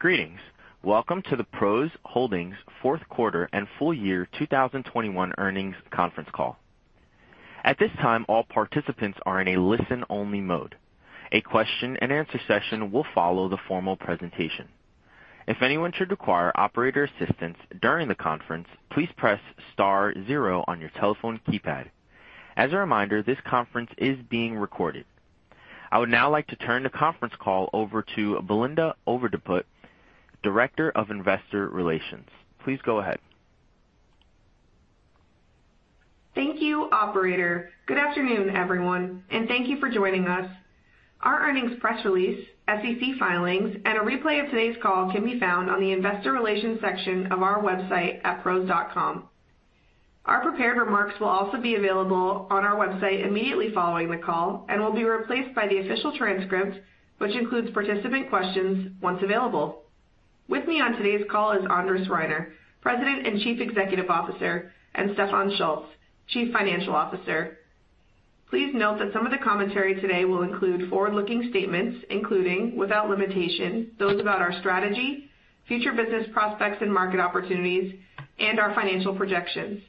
Greetings. Welcome to the PROS Holdings Q4 and full year 2021 earnings conference call. At this time, all participants are in a listen-only mode. A question and answer session will follow the formal presentation. If anyone should require operator assistance during the conference, please press star zero on your telephone keypad. As a reminder, this conference is being recorded. I would now like to turn the conference call over to Belinda Overdeput, Director of Investor Relations. Please go ahead. Thank you, operator. Good afternoon, everyone, and thank you for joining us. Our earnings press release, SEC filings, and a replay of today's call can be found on the investor relations section of our website at pros.com. Our prepared remarks will also be available on our website immediately following the call and will be replaced by the official transcript, which includes participant questions once available. With me on today's call is Andres Reiner, President and Chief Executive Officer, and Stefan Schulz, Chief Financial Officer. Please note that some of the commentary today will include forward-looking statements, including, without limitation, those about our strategy, future business prospects and market opportunities, and our financial projections.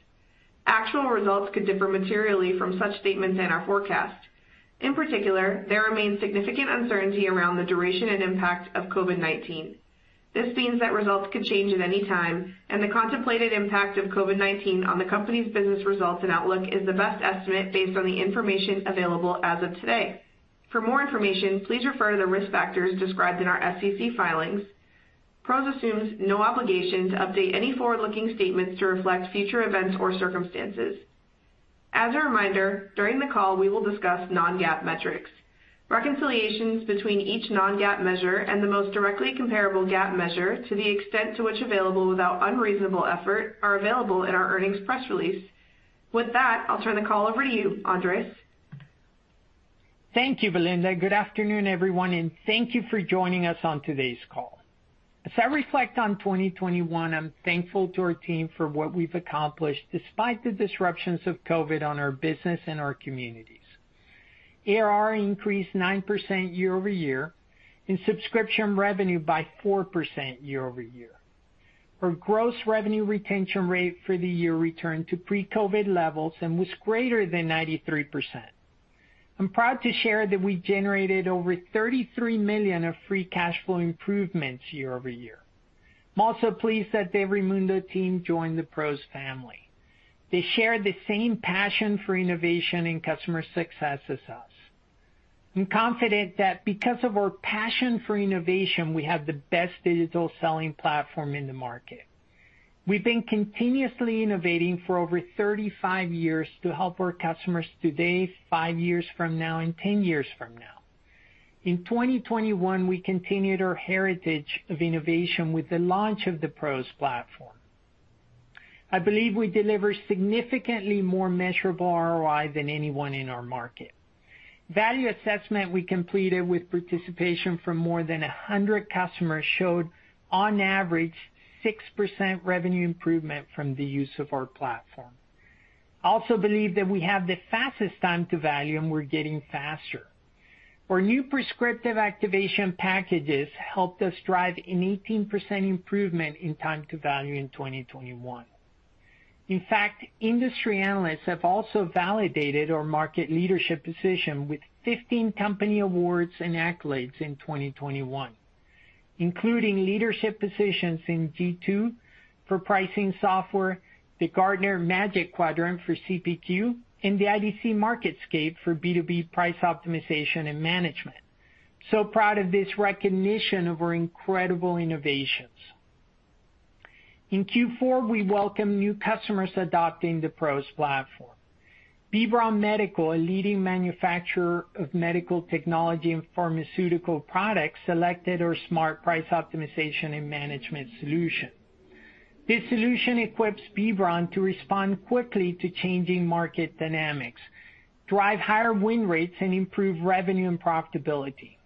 Actual results could differ materially from such statements in our forecast. In particular, there remains significant uncertainty around the duration and impact of COVID-19. This means that results could change at any time, and the contemplated impact of COVID-19 on the company's business results and outlook is the best estimate based on the information available as of today. For more information, please refer to the risk factors described in our SEC filings. PROS assumes no obligation to update any forward-looking statements to reflect future events or circumstances. As a reminder, during the call, we will discuss non-GAAP metrics. Reconciliations between each non-GAAP measure and the most directly comparable GAAP measure, to the extent to which available without unreasonable effort, are available in our earnings press release. With that, I'll turn the call over to you, Andres. Thank you, Belinda. Good afternoon, everyone, and thank you for joining us on today's call. As I reflect on 2021, I'm thankful to our team for what we've accomplished despite the disruptions of COVID on our business and our communities. ARR increased 9% year over year and subscription revenue by 4% year over year. Our gross revenue retention rate for the year returned to pre-COVID levels and was greater than 93%. I'm proud to share that we generated over $33 million of free cash flow improvements year over year. I'm also pleased that the EveryMundo team joined the PROS family. They share the same passion for innovation and customer success as us. I'm confident that because of our passion for innovation, we have the best digital selling platform in the market. We've been continuously innovating for over 35 years to help our customers today, 5 years from now, and 10 years from now. In 2021, we continued our heritage of innovation with the launch of the PROS Platform. I believe we deliver significantly more measurable ROI than anyone in our market. Value assessment we completed with participation from more than 100 customers showed on average 6% revenue improvement from the use of our platform. I also believe that we have the fastest time to value, and we're getting faster. Our new prescriptive activation packages helped us drive an 18% improvement in time to value in 2021. In fact, industry analysts have also validated our market leadership position with 15 company awards and accolades in 2021, including leadership positions in G2 for pricing software, the Gartner Magic Quadrant for CPQ, and the IDC MarketScape for B2B price optimization and management. Proud of this recognition of our incredible innovations. In Q4, we welcome new customers adopting the PROS platform. B. Braun Medical, a leading manufacturer of medical technology and pharmaceutical products, selected our Smart Price Optimization and Management solution. This solution equips B. Braun to respond quickly to changing market dynamics, drive higher win rates, and improve revenue and profitability.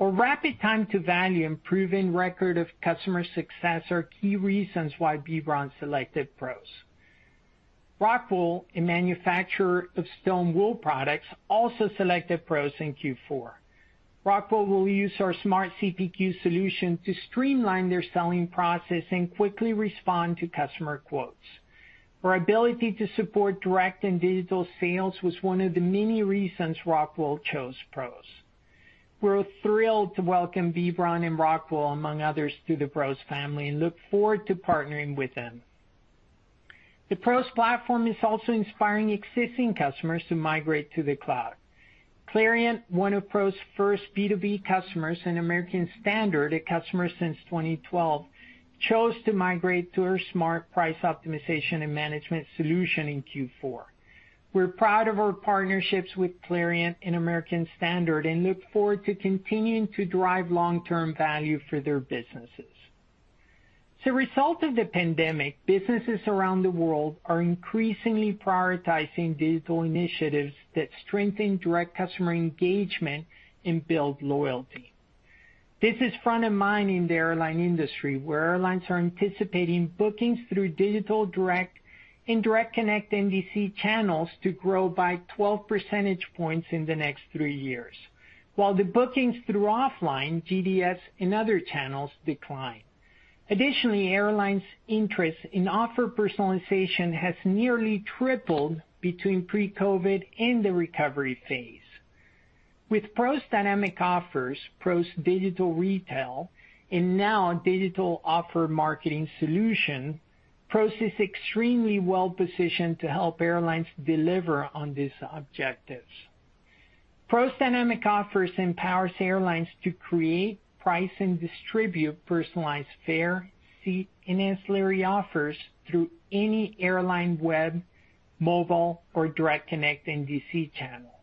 Our rapid time to value and proven record of customer success are key reasons why B. Braun selected PROS. ROCKWOOL, a manufacturer of stone wool products, also selected PROS in Q4. ROCKWOOL will use our Smart CPQ solution to streamline their selling process and quickly respond to customer quotes. Our ability to support direct and digital sales was one of the many reasons ROCKWOOL chose PROS. We're thrilled to welcome B. Braun and ROCKWOOL, among others, to the PROS family and look forward to partnering with them. The PROS platform is also inspiring existing customers to migrate to the cloud. Clariant, one of PROS' first B2B customers, and American Standard, a customer since 2012, chose to migrate to our Smart Price Optimization and Management solution in Q4. We're proud of our partnerships with Clariant and American Standard and look forward to continuing to drive long-term value for their businesses. As a result of the pandemic, businesses around the world are increasingly prioritizing digital initiatives that strengthen direct customer engagement and build loyalty. This is front of mind in the airline industry, where airlines are anticipating bookings through digital, direct, and direct connect NDC channels to grow by 12 percentage points in the next 3 years, while the bookings through offline GDS and other channels decline. Additionally, airlines' interest in offer personalization has nearly tripled between pre-COVID and the recovery phase. With PROS Dynamic Offers, PROS Digital Retail, and now Digital Offer Marketing Solution, PROS is extremely well-positioned to help airlines deliver on these objectives. PROS Dynamic Offers empowers airlines to create, price, and distribute personalized fare, seat, and ancillary offers through any airline web, mobile, or direct connect NDC channel.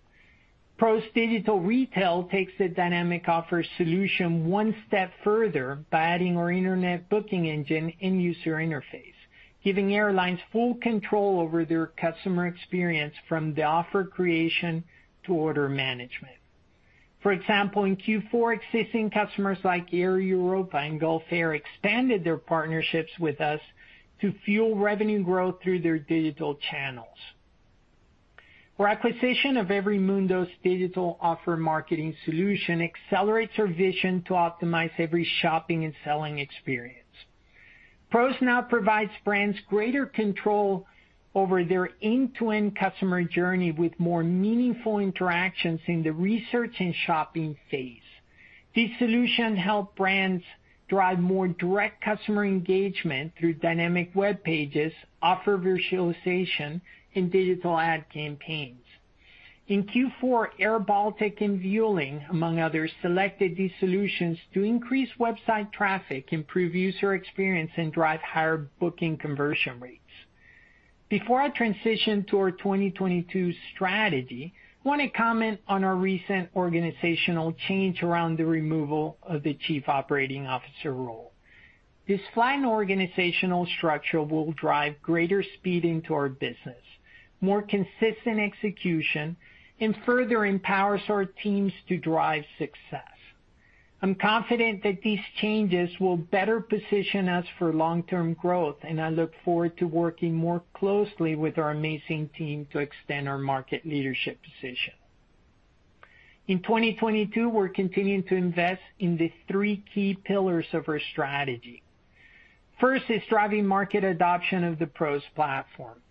PROS Digital Retail takes the Dynamic Offers solution one step further by adding our internet booking engine end-user interface, giving airlines full control over their customer experience from the offer creation to order management. For example, in Q4, existing customers like Air Europa and Gulf Air expanded their partnerships with us to fuel revenue growth through their digital channels. Our acquisition of EveryMundo's Digital Offer Marketing Solution accelerates our vision to optimize every shopping and selling experience. PROS now provides brands greater control over their end-to-end customer journey with more meaningful interactions in the research and shopping phase. This solution help brands drive more direct customer engagement through dynamic web pages, offer virtualization, and digital ad campaigns. In Q4, airBaltic and Vueling, among others, selected these solutions to increase website traffic, improve user experience, and drive higher booking conversion rates. Before I transition to our 2022 strategy, I wanna comment on our recent organizational change around the removal of the chief operating officer role. This flattened organizational structure will drive greater speed into our business, more consistent execution, and further empowers our teams to drive success. I'm confident that these changes will better position us for long-term growth, and I look forward to working more closely with our amazing team to extend our market leadership position. In 2022, we're continuing to invest in the three key pillars of our strategy. First is driving market adoption of the PROS Platform.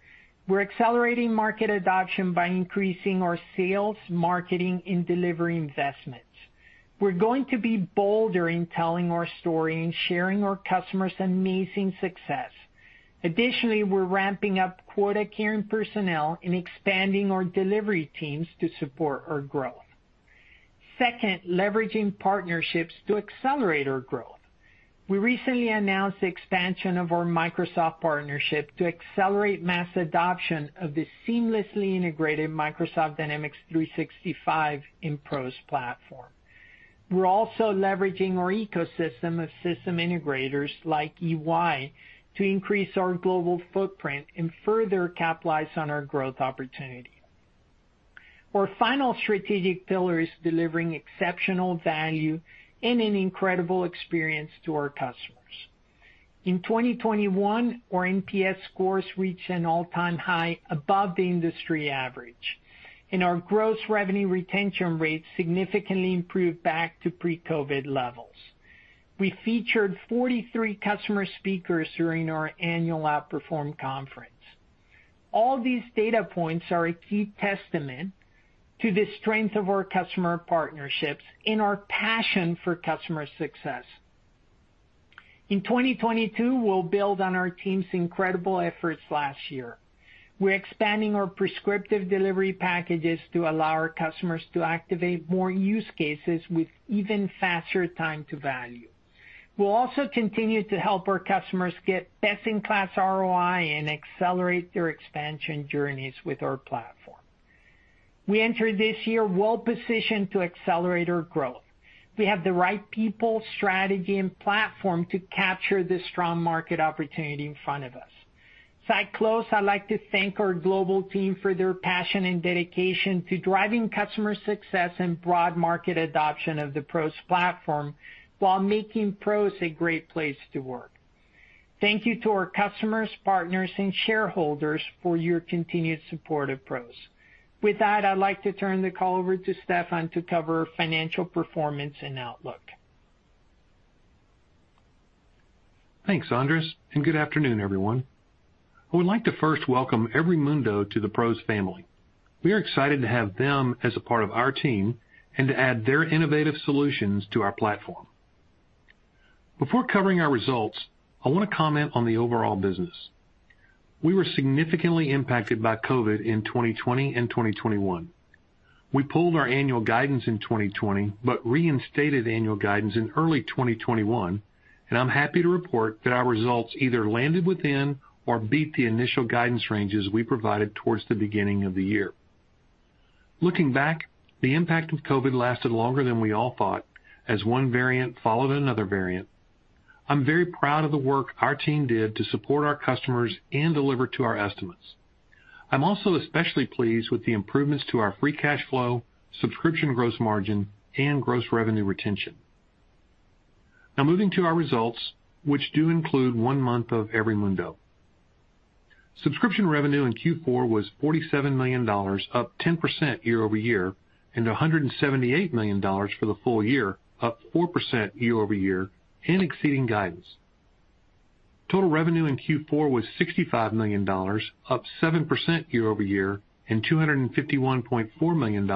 We're accelerating market adoption by increasing our sales, marketing, and delivery investments. We're going to be bolder in telling our story and sharing our customers' amazing success. Additionally, we're ramping up quota-carrying personnel and expanding our delivery teams to support our growth. Second, leveraging partnerships to accelerate our growth. We recently announced the expansion of our Microsoft partnership to accelerate mass adoption of the seamlessly integrated Microsoft Dynamics 365 and PROS Platform. We're also leveraging our ecosystem of system integrators like EY to increase our global footprint and further capitalize on our growth opportunity. Our final strategic pillar is delivering exceptional value and an incredible experience to our customers. In 2021, our NPS scores reached an all-time high above the industry average, and our gross revenue retention rates significantly improved back to pre-COVID levels. We featured 43 customer speakers during our annual OUTPERFORM conference. All these data points are a key testament to the strength of our customer partnerships and our passion for customer success. In 2022, we'll build on our team's incredible efforts last year. We're expanding our prescriptive delivery packages to allow our customers to activate more use cases with even faster time to value. We'll also continue to help our customers get best-in-class ROI and accelerate their expansion journeys with our platform. We enter this year well-positioned to accelerate our growth. We have the right people, strategy, and platform to capture the strong market opportunity in front of us. In closing, I'd like to thank our global team for their passion and dedication to driving customer success and broad market adoption of the PROS platform while making PROS a great place to work. Thank you to our customers, partners, and shareholders for your continued support of PROS. With that, I'd like to turn the call over to Stefan to cover financial performance and outlook. Thanks, Andres, and good afternoon, everyone. I would like to first welcome EveryMundo to the PROS family. We are excited to have them as a part of our team and to add their innovative solutions to our platform. Before covering our results, I wanna comment on the overall business. We were significantly impacted by COVID in 2020 and 2021. We pulled our annual guidance in 2020, but reinstated annual guidance in early 2021, and I'm happy to report that our results either landed within or beat the initial guidance ranges we provided towards the beginning of the year. Looking back, the impact of COVID lasted longer than we all thought as one variant followed another variant. I'm very proud of the work our team did to support our customers and deliver to our estimates. I'm also especially pleased with the improvements to our free cash flow, subscription gross margin, and gross revenue retention. Now moving to our results, which do include one month of EveryMundo. Subscription revenue in Q4 was $47 million, up 10% year-over-year, and $178 million for the full year, up 4% year-over-year and exceeding guidance. Total revenue in Q4 was $65 million, up 7% year-over-year, and $251.4 million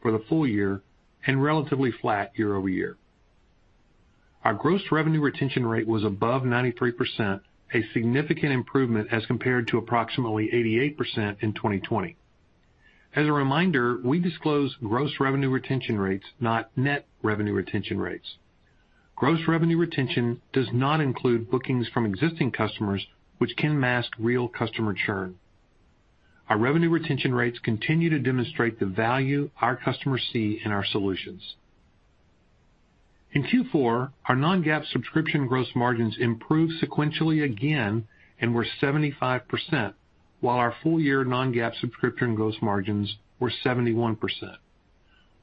for the full year and relatively flat year-over-year. Our gross revenue retention rate was above 93%, a significant improvement as compared to approximately 88% in 2020. As a reminder, we disclose gross revenue retention rates, not net revenue retention rates. Gross revenue retention does not include bookings from existing customers, which can mask real customer churn. Our revenue retention rates continue to demonstrate the value our customers see in our solutions. In Q4, our non-GAAP subscription gross margins improved sequentially again and were 75%, while our full year non-GAAP subscription gross margins were 71%.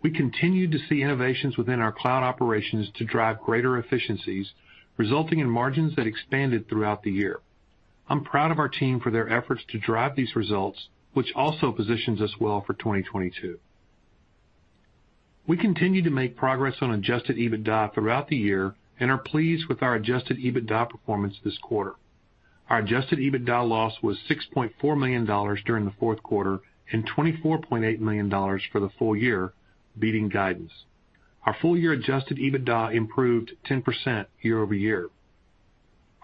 We continued to see innovations within our cloud operations to drive greater efficiencies, resulting in margins that expanded throughout the year. I'm proud of our team for their efforts to drive these results, which also positions us well for 2022. We continue to make progress on adjusted EBITDA throughout the year and are pleased with our adjusted EBITDA performance this quarter. Our adjusted EBITDA loss was $6.4 million during the fourth quarter and $24.8 million for the full year, beating guidance. Our full year adjusted EBITDA improved 10% year-over-year.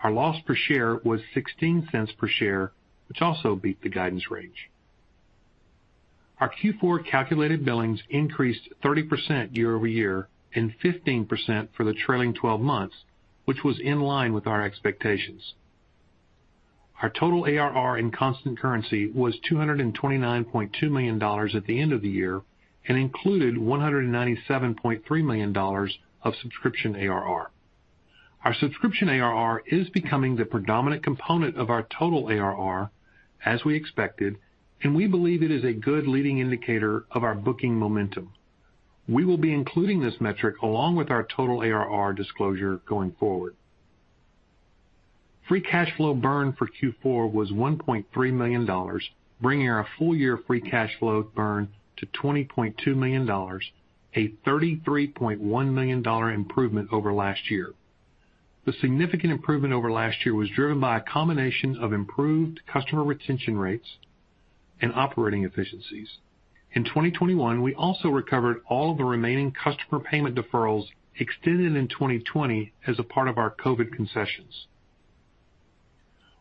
Our loss per share was $0.16 per share, which also beat the guidance range. Our Q4 calculated billings increased 30% year-over-year and 15% for the trailing twelve months, which was in line with our expectations. Our total ARR in constant currency was $229.2 million at the end of the year and included $197.3 million of subscription ARR. Our subscription ARR is becoming the predominant component of our total ARR, as we expected, and we believe it is a good leading indicator of our booking momentum. We will be including this metric along with our total ARR disclosure going forward. Free cash flow burn for Q4 was $1.3 million, bringing our full year free cash flow burn to $20.2 million, a $33.1 million improvement over last year. The significant improvement over last year was driven by a combination of improved customer retention rates and operating efficiencies. In 2021, we also recovered all of the remaining customer payment deferrals extended in 2020 as a part of our COVID concessions.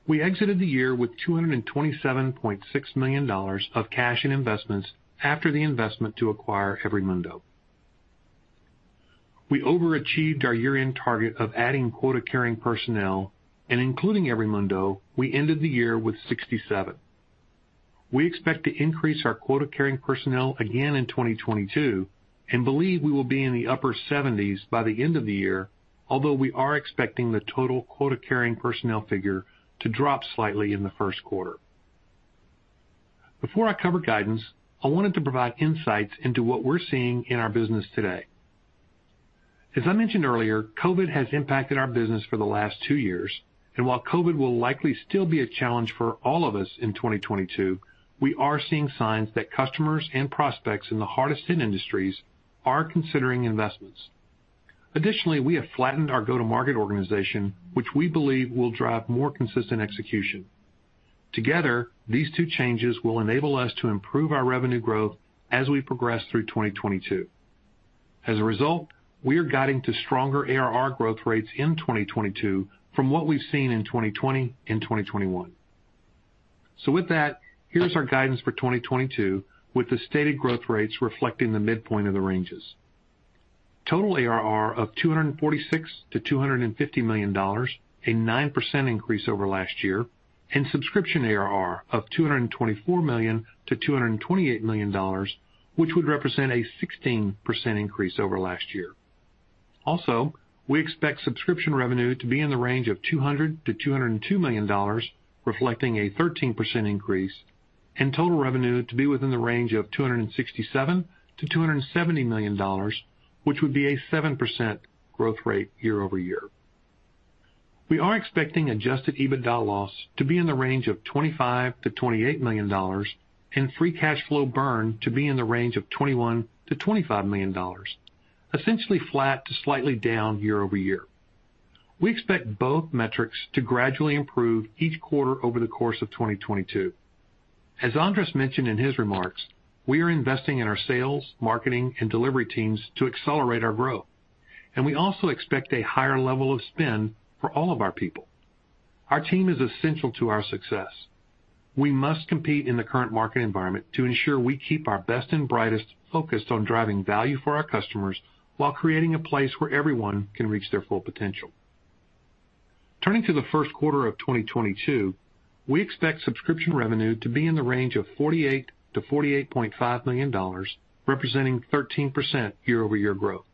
We exited the year with $227.6 million of cash and investments after the investment to acquire EveryMundo. We overachieved our year-end target of adding quota-carrying personnel, and including EveryMundo, we ended the year with 67. We expect to increase our quota-carrying personnel again in 2022 and believe we will be in the upper 70s by the end of the year, although we are expecting the total quota-carrying personnel figure to drop slightly in the first quarter. Before I cover guidance, I wanted to provide insights into what we're seeing in our business today. As I mentioned earlier, COVID has impacted our business for the last 2 years, and while COVID will likely still be a challenge for all of us in 2022, we are seeing signs that customers and prospects in the hardest hit industries are considering investments. Additionally, we have flattened our go-to-market organization, which we believe will drive more consistent execution. Together, these two changes will enable us to improve our revenue growth as we progress through 2022. As a result, we are guiding to stronger ARR growth rates in 2022 from what we've seen in 2020 and 2021. With that, here's our guidance for 2022, with the stated growth rates reflecting the midpoint of the ranges. Total ARR of $246 million-$250 million, a 9% increase over last year, and subscription ARR of $224 million-$228 million, which would represent a 16% increase over last year. We expect subscription revenue to be in the range of $200 million-$202 million, reflecting a 13% increase, and total revenue to be within the range of $267 million-$270 million, which would be a 7% growth rate year-over-year. We are expecting adjusted EBITDA loss to be in the range of $25 million-$28 million and free cash flow burn to be in the range of $21 million-$25 million, essentially flat to slightly down year-over-year. We expect both metrics to gradually improve each quarter over the course of 2022. As Andres mentioned in his remarks, we are investing in our sales, marketing, and delivery teams to accelerate our growth, and we also expect a higher level of spend for all of our people. Our team is essential to our success. We must compete in the current market environment to ensure we keep our best and brightest focused on driving value for our customers while creating a place where everyone can reach their full potential. Turning to the first quarter of 2022, we expect subscription revenue to be in the range of $48-$48.5 million, representing 13% year-over-year growth.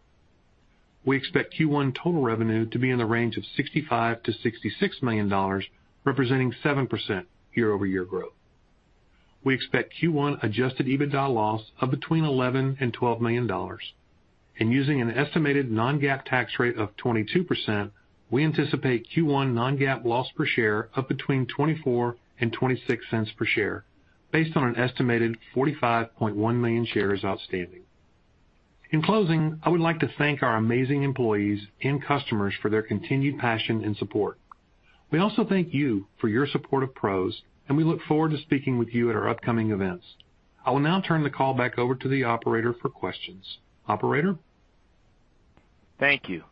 We expect Q1 total revenue to be in the range of $65-$66 million, representing 7% year-over-year growth. We expect Q1 adjusted EBITDA loss of between $11 and $12 million. Using an estimated non-GAAP tax rate of 22%, we anticipate Q1 non-GAAP loss per share of between 24 and 26 cents per share based on an estimated 45.1 million shares outstanding. In closing, I would like to thank our amazing employees and customers for their continued passion and support. We also thank you for your support of PROS, and we look forward to speaking with you at our upcoming events. I will now turn the call back over to the operator for questions. Operator? Thank you.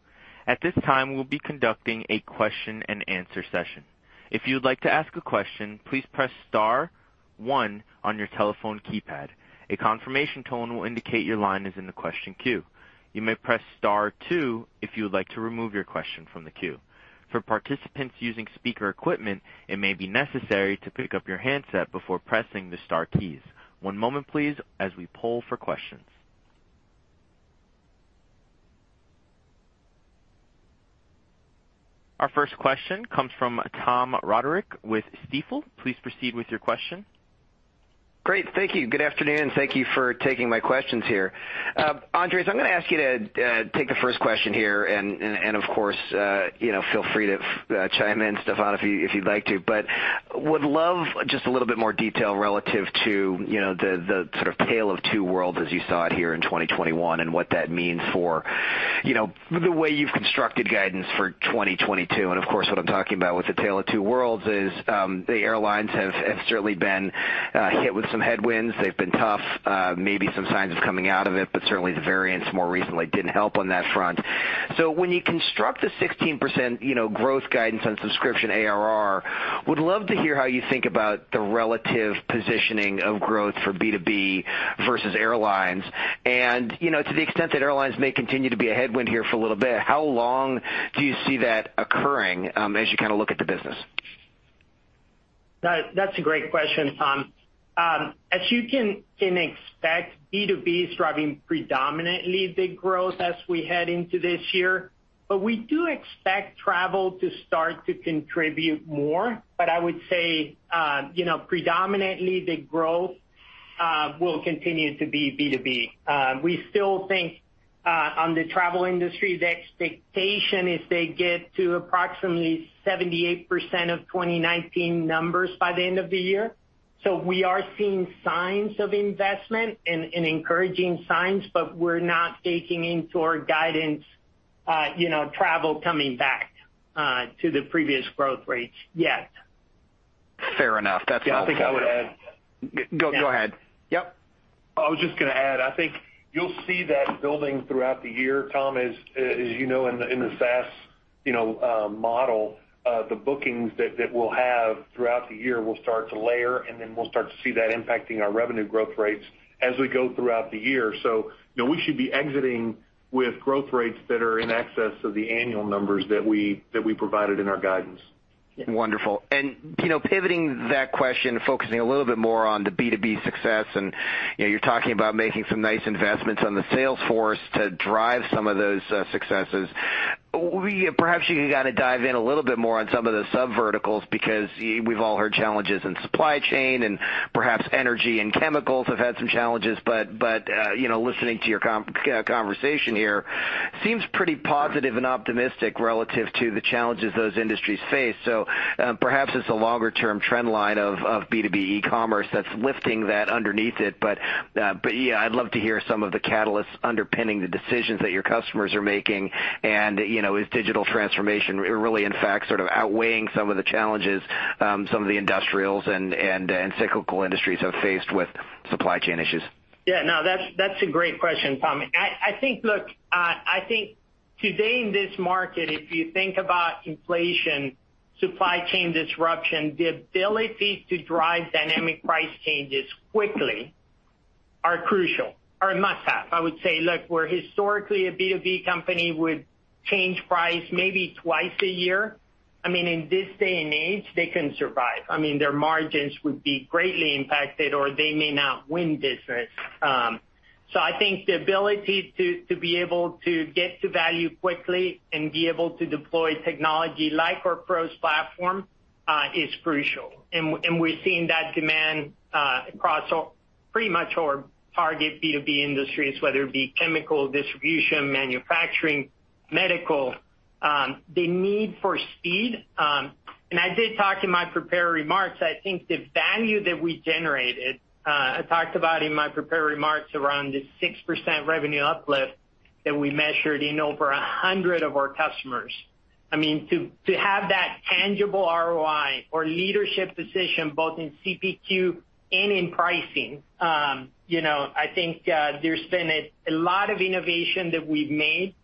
At this time, we'll be conducting a question and answer session. If you'd like to ask a question, please press star one on your telephone keypad. A confirmation tone will indicate your line is in the question queue. You may press star two if you would like to remove your question from the queue. For participants using speaker equipment, it may be necessary to pick up your handset before pressing the star keys. One moment please as we poll for questions. Our first question comes from Tom Roderick with Stifel. Please proceed with your question. Great, thank you. Good afternoon, thank you for taking my questions here. Andres, I'm gonna ask you to take the first question here and of course, you know, feel free to chime in, Stefan, if you'd like to. Would love just a little bit more detail relative to the sort of tale of two worlds as you saw it here in 2021 and what that means for the way you've constructed guidance for 2022. Of course, what I'm talking about with the tale of two worlds is the airlines have certainly been hit with some headwinds. They've been tough, maybe some signs of coming out of it, but certainly the variants more recently didn't help on that front. When you construct the 16%, you know, growth guidance on subscription ARR, would love to hear how you think about the relative positioning of growth for B2B versus airlines. To the extent that airlines may continue to be a headwind here for a little bit, how long do you see that occurring, as you kind of look at the business? That's a great question, Tom. As you can expect, B2B is driving predominantly the growth as we head into this year. We do expect travel to start to contribute more, but I would say, you know, predominantly the growth will continue to be B2B. We still think on the travel industry, the expectation is they get to approximately 78% of 2019 numbers by the end of the year. We are seeing signs of investment and encouraging signs, but we're not baking into our guidance, you know, travel coming back to the previous growth rates yet. Fair enough. That's all for now. Yeah, I think I would add. Go ahead. Yep. I was just gonna add, I think you'll see that building throughout the year, Tom. As you know, in the SaaS, you know, model, the bookings that we'll have throughout the year will start to layer, and then we'll start to see that impacting our revenue growth rates as we go throughout the year. You know, we should be exiting with growth rates that are in excess of the annual numbers that we provided in our guidance. Wonderful. You know, pivoting that question, focusing a little bit more on the B2B success and, you know, you're talking about making some nice investments on the sales force to drive some of those successes. Perhaps you can kinda dive in a little bit more on some of the subverticals because we've all heard challenges in supply chain and perhaps energy and chemicals have had some challenges. You know, listening to your conversation here seems pretty positive and optimistic relative to the challenges those industries face. Perhaps it's a longer term trend line of B2B e-commerce that's lifting that underneath it. Yeah, I'd love to hear some of the catalysts underpinning the decisions that your customers are making. You know, is digital transformation really in fact sort of outweighing some of the challenges, some of the industrials and cyclical industries have faced with supply chain issues? Yeah, no, that's a great question, Tom. I think today in this market, if you think about inflation, supply chain disruption, the ability to drive dynamic price changes quickly are crucial or a must-have. I would say, look, where historically a B2B company would change price maybe twice a year, I mean, in this day and age, they couldn't survive. I mean, their margins would be greatly impacted, or they may not win business. I think the ability to be able to get to value quickly and be able to deploy technology like our PROS platform is crucial. We're seeing that demand across pretty much our target B2B industries, whether it be chemical distribution, manufacturing, medical, the need for speed. I did talk in my prepared remarks. I think the value that we generated. I talked about in my prepared remarks around the 6% revenue uplift that we measured in over 100 of our customers. I mean, to have that tangible ROI or leadership position both in CPQ and in pricing, you know, I think there's been a lot of innovation that we've made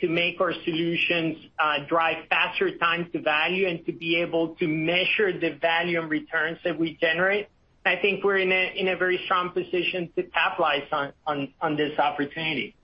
to make our solutions drive faster time to value and to be able to measure the value and returns that we generate. I think we're in a very strong position to capitalize on this opportunity.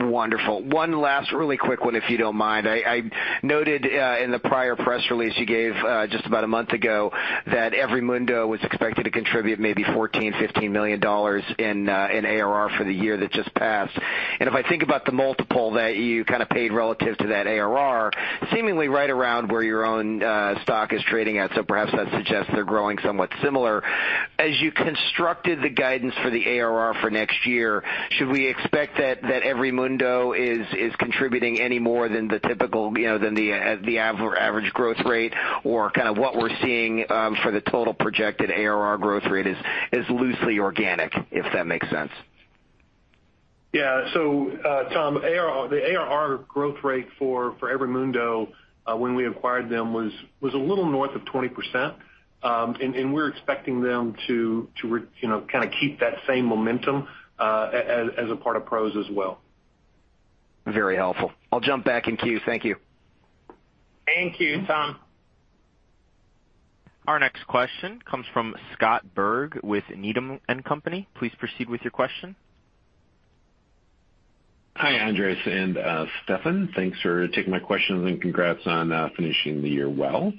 Wonderful. One last really quick one, if you don't mind. I noted in the prior press release you gave just about a month ago that EveryMundo was expected to contribute maybe $14-$15 million in ARR for the year that just passed. If I think about the multiple that you kind of paid relative to that ARR, seemingly right around where your own stock is trading at, so perhaps that suggests they're growing somewhat similar. As you constructed the guidance for the ARR for next year, should we expect that EveryMundo is contributing any more than the typical, than the average growth rate? Or kind of what we're seeing for the total projected ARR growth rate is loosely organic, if that makes sense. Tom, the ARR growth rate for EveryMundo when we acquired them was a little north of 20%. We're expecting them to you know, kind of keep that same momentum as a part of PROS as well. Very helpful. I'll jump back in queue. Thank you. Thank you, Tom. Our next question comes from Scott Berg with Needham & Company. Please proceed with your question. Hi, Andres and Stefan. Thanks for taking my questions, and congrats on finishing the year well.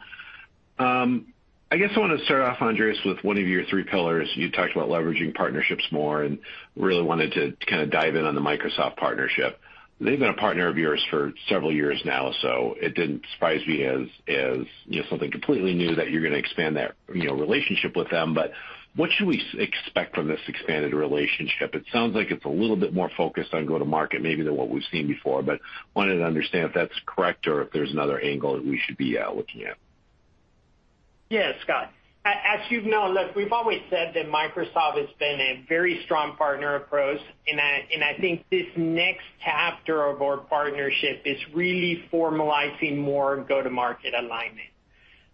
I guess I wanna start off, Andres, with one of your three pillars. You talked about leveraging partnerships more and really wanted to kind of dive in on the Microsoft partnership. They've been a partner of yours for several years now, so it didn't surprise me as you know, something completely new that you're gonna expand that relationship with them. What should we expect from this expanded relationship? It sounds like it's a little bit more focused on go-to-market maybe than what we've seen before, I wanted to understand if that's correct or if there's another angle that we should be looking at. Yeah, Scott. As you know, look, we've always said that Microsoft has been a very strong partner of PROS, and I think this next chapter of our partnership is really formalizing more go-to-market alignment.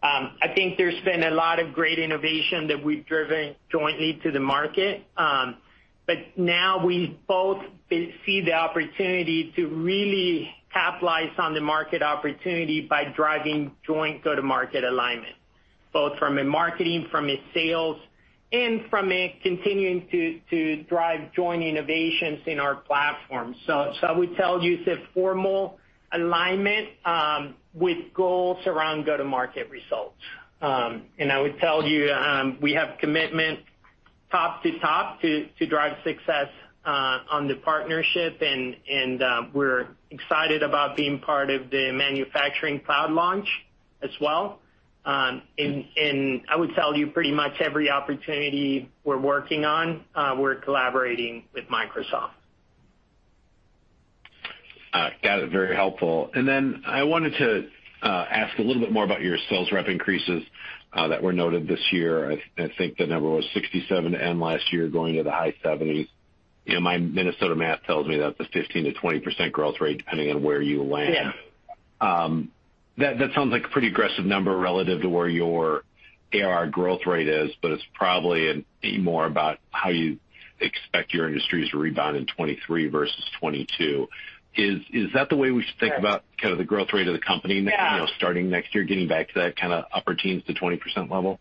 I think there's been a lot of great innovation that we've driven jointly to the market, but now we both see the opportunity to really capitalize on the market opportunity by driving joint go-to-market alignment, both from a marketing, from a sales, and from continuing to drive joint innovations in our platform. I would tell you it's a formal alignment with goals around go-to-market results. I would tell you we have commitment top to top to drive success on the partnership, and we're excited about being part of the manufacturing cloud launch as well. I would tell you pretty much every opportunity we're working on, we're collaborating with Microsoft. Got it. Very helpful. I wanted to ask a little bit more about your sales rep increases that were noted this year. I think the number was 67 end last year, going to the high 70s. You know, my Minnesota math tells me that's a 15%-20% growth rate, depending on where you land. Yeah. That sounds like a pretty aggressive number relative to where your ARR growth rate is, but it's probably maybe more about how you expect your industries to rebound in 2023 versus 2022. Is that the way we should think about- Right. kind of the growth rate of the company Yeah. You know, starting next year, getting back to that kind of upper teens to 20% level?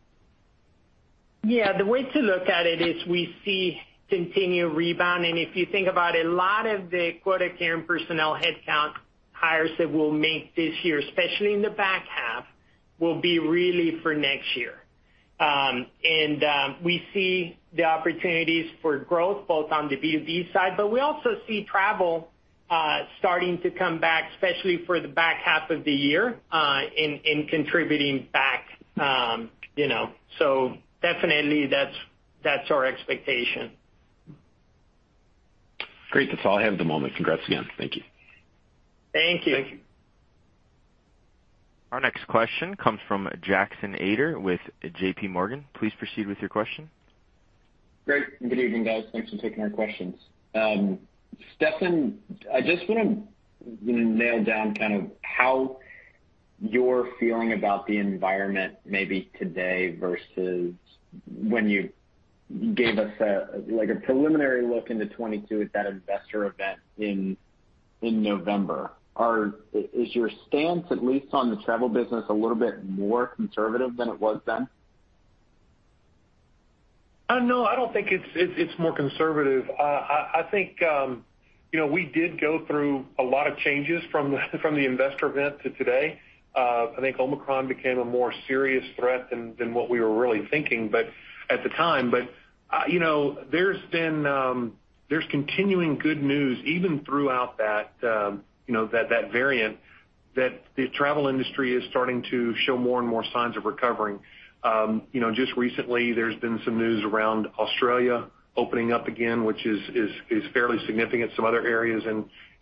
Yeah. The way to look at it is we see continued rebound. If you think about a lot of the quota carrying personnel headcount hires that we'll make this year, especially in the back half, will be really for next year. We see the opportunities for growth both on the B2B side, but we also see travel starting to come back, especially for the back half of the year, and contributing back, you know. So definitely that's our expectation. Great. That's all I have at the moment. Congrats again. Thank you. Thank you. Thank you. Our next question comes from Jackson Ader with J.P. Morgan. Please proceed with your question. Great. Good evening, guys. Thanks for taking our questions. Stefan, I just wanna, you know, nail down kind of how you're feeling about the environment maybe today versus when you gave us a, like, a preliminary look into 2022 at that investor event in November. Is your stance at least on the travel business a little bit more conservative than it was then? No, I don't think it's more conservative. I think, you know, we did go through a lot of changes from the investor event to today. I think Omicron became a more serious threat than what we were really thinking, but at the time. You know, there's been there's continuing good news even throughout that, you know, that variant that the travel industry is starting to show more and more signs of recovering. You know, just recently there's been some news around Australia opening up again, which is fairly significant. Some other areas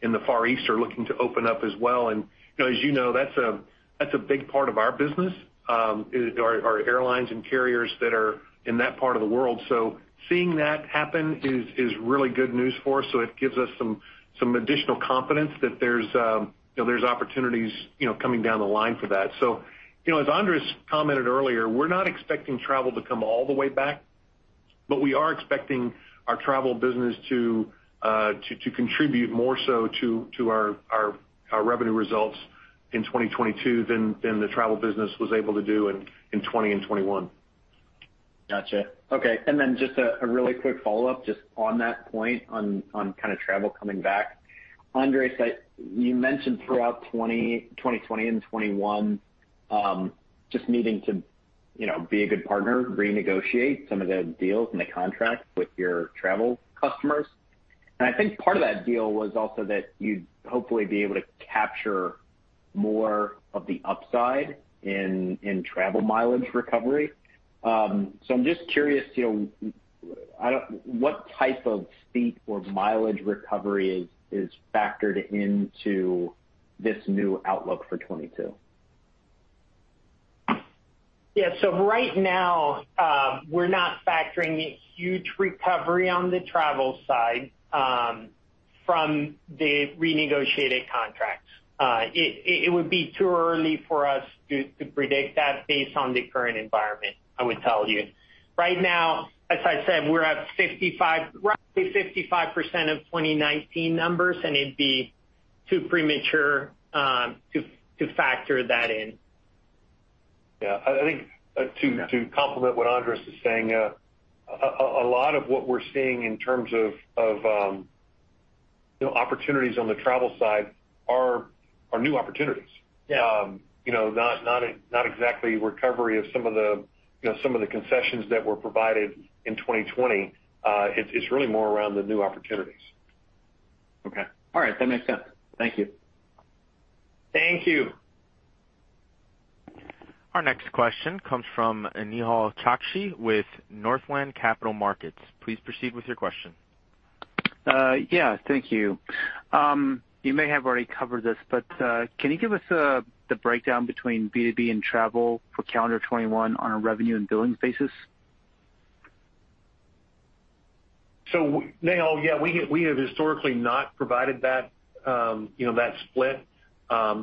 in the Far East are looking to open up as well. You know, as you know, that's a big part of our business is our airlines and carriers that are in that part of the world. Seeing that happen is really good news for us. It gives us some additional confidence that there's, you know, opportunities, you know, coming down the line for that. You know, as Andres commented earlier, we're not expecting travel to come all the way back, but we are expecting our travel business to contribute more so to our revenue results in 2022 than the travel business was able to do in 2020 and 2021. Gotcha. Okay. Just a really quick follow-up just on that point on kind of travel coming back. Andres, I—you mentioned throughout 2020 and 2021, just needing to, you know, be a good partner, renegotiate some of the deals and the contracts with your travel customers. I think part of that deal was also that you'd hopefully be able to capture more of the upside in travel mileage recovery. I'm just curious, you know, I don't—what type of speed or mileage recovery is factored into this new outlook for 2022? Yeah. Right now, we're not factoring a huge recovery on the travel side from the renegotiated contracts. It would be too early for us to predict that based on the current environment, I would tell you. Right now, as I said, we're at roughly 55% of 2019 numbers, and it'd be too premature to factor that in. Yeah. I think to complement what Andres is saying, a lot of what we're seeing in terms of you know opportunities on the travel side are new opportunities. Yeah. You know, not exactly recovery of some of the, you know, some of the concessions that were provided in 2020. It's really more around the new opportunities. Okay. All right, that makes sense. Thank you. Thank you. Our next question comes from Nehal Chokshi with Northland Capital Markets. Please proceed with your question. Yeah, thank you. You may have already covered this, but can you give us the breakdown between B2B and travel for calendar 2021 on a revenue and billing basis? Nehal, yeah, we have historically not provided that, you know, that split,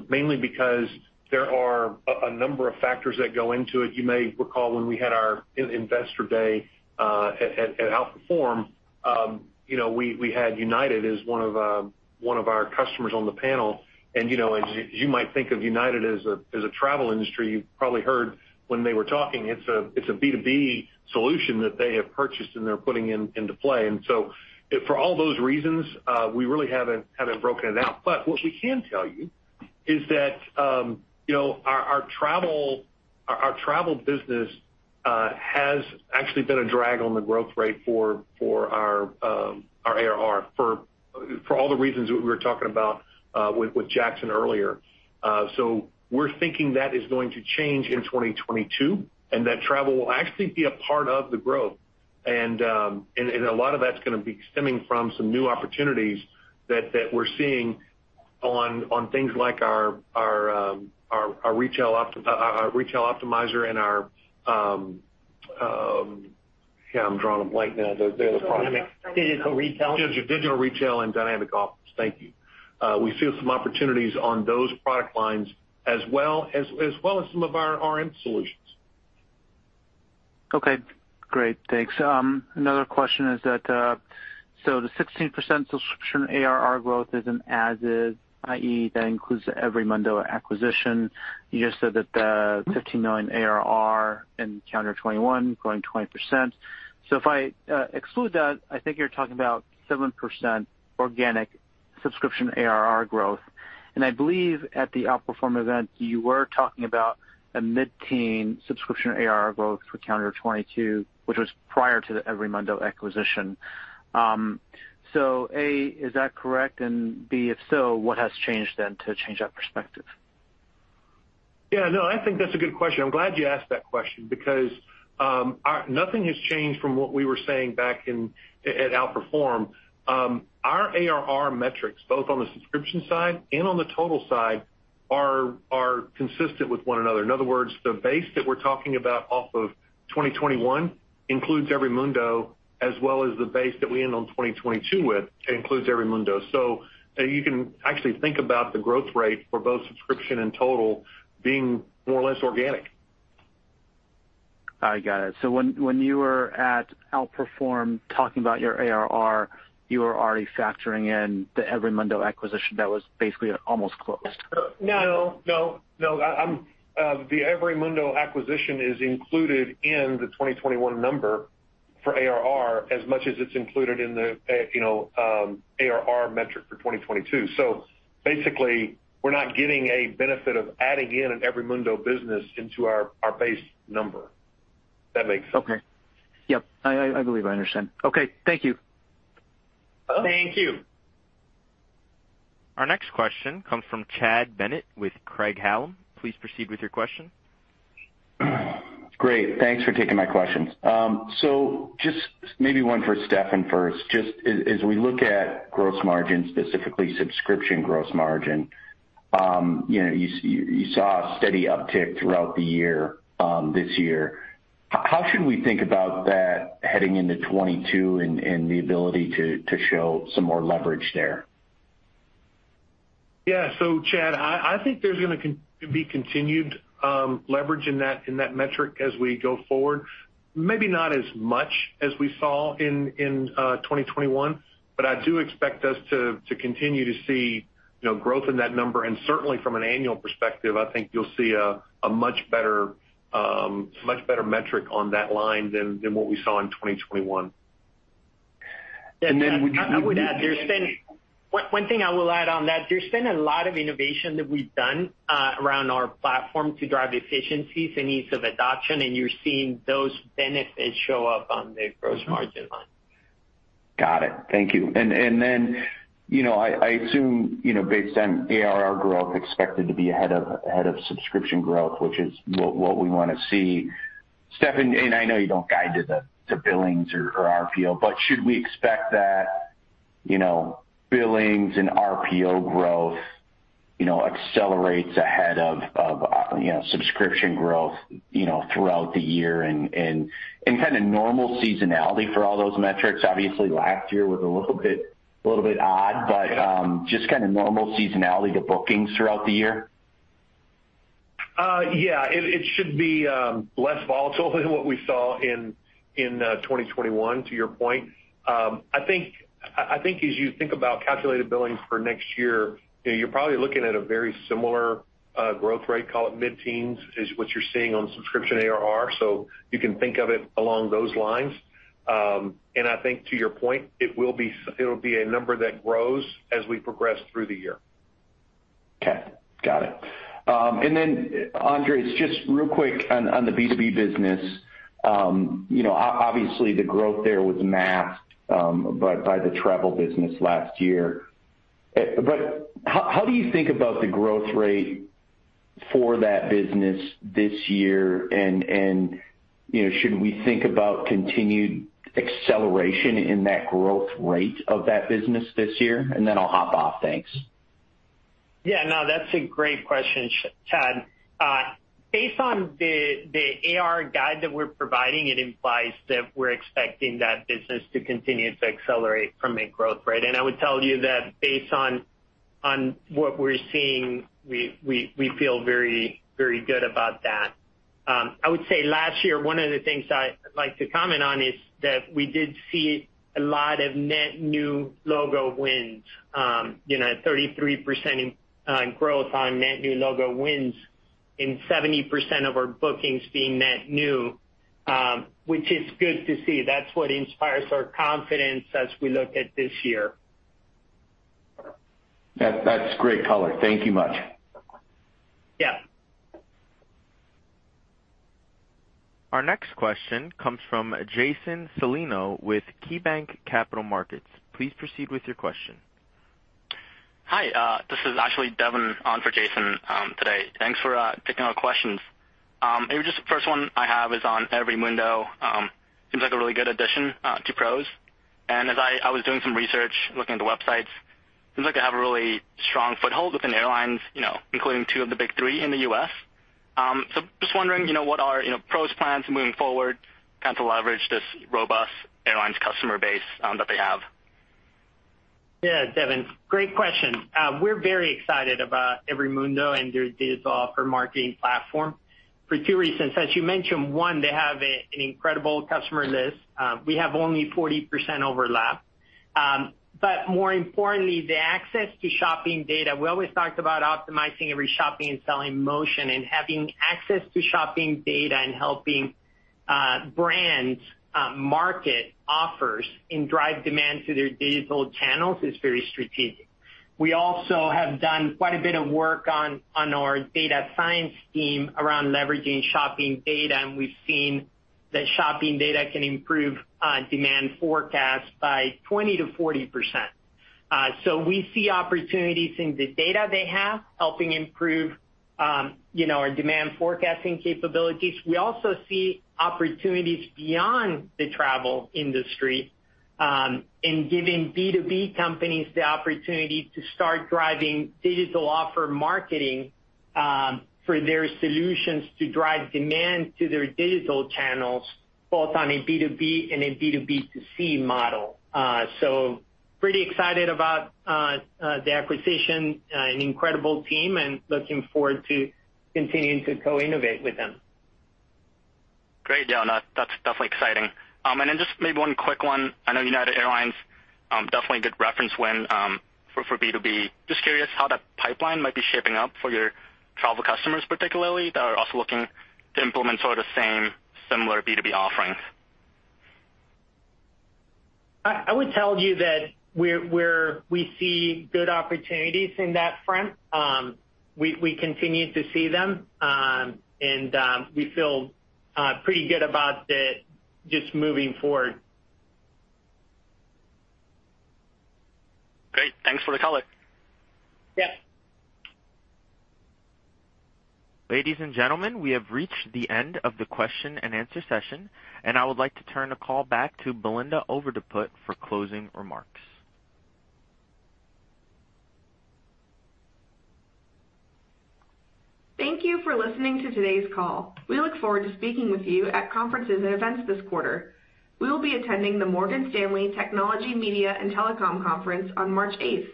mainly because there are a number of factors that go into it. You may recall when we had our investor day at Outperform, you know, we had United as one of our customers on the panel. You know, as you might think of United as a travel industry, you probably heard when they were talking, it's a B2B solution that they have purchased, and they're putting into play. For all those reasons, we really haven't broken it out. What we can tell you is that, you know, our travel business has actually been a drag on the growth rate for our ARR for all the reasons we were talking about with Jackson earlier. We're thinking that is going to change in 2022, and that travel will actually be a part of the growth. A lot of that's gonna be stemming from some new opportunities that we're seeing on things like our retail optimizer and our... Yeah, I'm drawing a blank now. The other product. Digital Retail. Digital Retail and Dynamic Offers. Thank you. We see some opportunities on those product lines as well as some of our RM solutions. Okay, great. Thanks. Another question is that so the 16% subscription ARR growth is as-is, i.e., that includes EveryMundo acquisition. You just said that the $15 million ARR in calendar 2021 growing 20%. If I exclude that, I think you're talking about 7% organic subscription ARR growth. I believe at the Outperform event, you were talking about a mid-teen subscription ARR growth for calendar 2022, which was prior to the EveryMundo acquisition. A, is that correct? And B, if so, what has changed then to change that perspective? Yeah, no, I think that's a good question. I'm glad you asked that question because nothing has changed from what we were saying back in at OUTPERFORM. Our ARR metrics, both on the subscription side and on the total side, are consistent with one another. In other words, the base that we're talking about off of 2021 includes EveryMundo, as well as the base that we end on 2022 with includes EveryMundo. You can actually think about the growth rate for both subscription and total being more or less organic. I got it. When you were at Outperform talking about your ARR, you were already factoring in the EveryMundo acquisition that was basically almost closed? No, the EveryMundo acquisition is included in the 2021 number for ARR as much as it's included in the, you know, ARR metric for 2022. Basically, we're not getting a benefit of adding in an EveryMundo business into our base number, if that makes sense. Okay. Yep. I believe I understand. Okay, thank you. Thank you. Our next question comes from Chad Bennett with Craig-Hallum. Please proceed with your question. Great. Thanks for taking my questions. Just maybe one for Stefan first. Just as we look at gross margin, specifically subscription gross margin, you know, you saw a steady uptick throughout the year, this year. How should we think about that heading into 2022 and the ability to show some more leverage there? Yeah. Chad, I think there's gonna be continued leverage in that metric as we go forward. Maybe not as much as we saw in 2021, but I do expect us to continue to see You know, growth in that number, and certainly from an annual perspective, I think you'll see a much better metric on that line than what we saw in 2021. Yes. Would you- One thing I will add on that, there's been a lot of innovation that we've done around our platform to drive efficiencies and ease of adoption, and you're seeing those benefits show up on the gross margin line. Got it. Thank you. Then, you know, I assume, you know, based on ARR growth expected to be ahead of subscription growth, which is what we wanna see. Stefan, and I know you don't guide to the billings or RPO, but should we expect that, you know, billings and RPO growth, you know, accelerates ahead of subscription growth, you know, throughout the year and kinda normal seasonality for all those metrics? Obviously, last year was a little bit odd, but just kinda normal seasonality to bookings throughout the year. Yeah. It should be less volatile than what we saw in 2021, to your point. I think as you think about calculated billings for next year, you know, you're probably looking at a very similar growth rate, call it mid-teens, is what you're seeing on subscription ARR. You can think of it along those lines. I think to your point, it'll be a number that grows as we progress through the year. Okay. Got it. Andres, just real quick on the B2B business. You know, obviously, the growth there was masked by the travel business last year. How do you think about the growth rate for that business this year? You know, should we think about continued acceleration in that growth rate of that business this year? I'll hop off. Thanks. Yeah, no, that's a great question, Chad. Based on the ARR guide that we're providing, it implies that we're expecting that business to continue to accelerate from a growth rate. I would tell you that based on what we're seeing, we feel very, very good about that. I would say last year, one of the things I'd like to comment on is that we did see a lot of net new logo wins, you know, 33% in growth on net new logo wins, and 70% of our bookings being net new, which is good to see. That's what inspires our confidence as we look at this year. That's great color. Thank you much. Yeah. Our next question comes from Jason Celino with KeyBanc Capital Markets. Please proceed with your question. Hi, this is actually Devin on for Jason today. Thanks for taking our questions. Maybe just the first one I have is on EveryMundo. Seems like a really good addition to PROS. As I was doing some research looking at the websites, seems like they have a really strong foothold within airlines, you know, including two of the big three in the U.S. Just wondering, you know, what are PROS plans moving forward kind of to leverage this robust airlines customer base that they have? Yeah, Devin, great question. We're very excited about EveryMundo and their digital offer marketing platform for two reasons. As you mentioned, one, they have an incredible customer list. We have only 40% overlap. More importantly, the access to shopping data. We always talked about optimizing every shopping and selling motion, and having access to shopping data and helping brands market offers and drive demand to their digital channels is very strategic. We also have done quite a bit of work on our data science team around leveraging shopping data, and we've seen that shopping data can improve demand forecasts by 20%-40%. We see opportunities in the data they have, helping improve, you know, our demand forecasting capabilities. We also see opportunities beyond the travel industry, in giving B2B companies the opportunity to start driving digital offer marketing, for their solutions to drive demand to their digital channels, both on a B2B and a B2B2C model. Pretty excited about the acquisition, an incredible team, and looking forward to continuing to co-innovate with them. Great. Yeah, no, that's definitely exciting. Just maybe one quick one. I know United Airlines definitely a good reference win for B2B. Just curious how that pipeline might be shaping up for your travel customers particularly that are also looking to implement sort of same similar B2B offerings. I would tell you that we see good opportunities in that front. We continue to see them. We feel pretty good about just moving forward. Great. Thanks for the color. Yeah. Ladies and gentlemen, we have reached the end of the question-and-answer session, and I would like to turn the call back to Belinda Overdeput for closing remarks. Thank you for listening to today's call. We look forward to speaking with you at conferences and events this quarter. We will be attending the Morgan Stanley Technology, Media and Telecom Conference on March 8.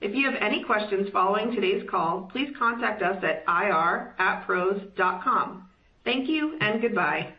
If you have any questions following today's call, please contact us at ir@pros.com. Thank you and goodbye.